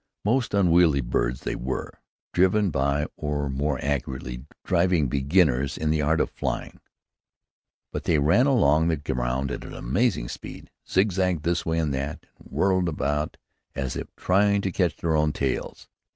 Most unwieldy birds they were, driven by, or more accurately, driving beginners in the art of flying; but they ran along the ground at an amazing speed, zigzagged this way and that, and whirled about as if trying to catch their own tails.